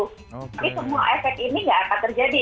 tapi semua efek ini nggak akan terjadi